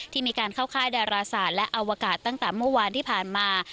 ที่มีการเข้าค่ายดาราศาสตร์และอวกาศตั้งแต่เมื่อวานที่ผ่านมา